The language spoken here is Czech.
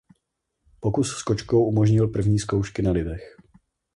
Pokus s kočkou umožnil první zkoušky na lidech.